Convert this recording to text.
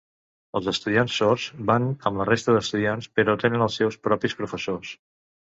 Els estudiants sords van amb la resta d'estudiants, però tenen els seus propis professors.